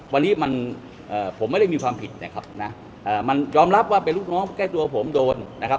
วันนี้มันผมไม่ได้มีความผิดนะครับนะมันยอมรับว่าเป็นลูกน้องใกล้ตัวผมโดนนะครับ